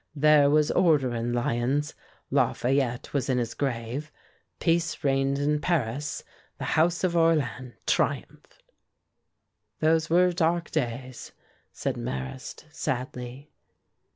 there was order in Lyons Lafayette was in his grave peace reigned in Paris the House of Orléans triumphed!" "Those were dark days," said Marrast, sadly.